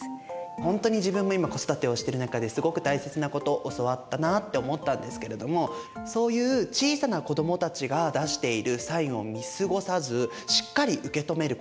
ほんとに自分も今子育てをしている中ですごく大切なこと教わったなって思ったんですけれどもそういう小さな子どもたちが出しているサインを見過ごさずしっかり受け止めること。